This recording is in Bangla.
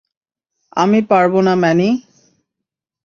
আমি পারবো না, ম্যানি।